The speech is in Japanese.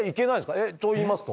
えっといいますと？